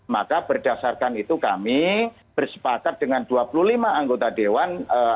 maka berdasarkan itu kami bersepakat dengan dua puluh lima anggota dewan